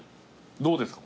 どうですか？